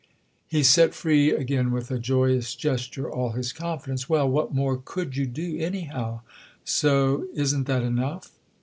He set free again with a joyous gesture all his confidence. "Well, what more could you do, anyhow? So isn't that enough?"